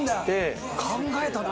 考えたな！